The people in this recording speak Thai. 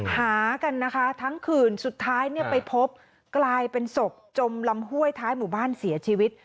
หากันนะคะทั้งคืนสุดท้ายไปพบกลายเป็นศพจมลำห้วยท้ายหมู่บ้านเสียชีวิต